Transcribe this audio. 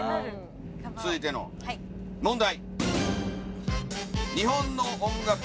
続いての問題。